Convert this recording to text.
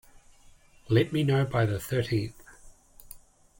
Let me know by the thirteenth.